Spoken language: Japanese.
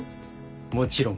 もちろん。